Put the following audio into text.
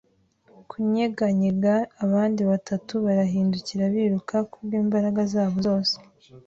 kunyeganyega; abandi batatu barahindukira biruka kubwimbaraga zabo zose.